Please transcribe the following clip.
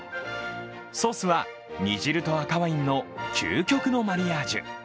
ソースは煮汁と赤ワインの究極のマリアージュ。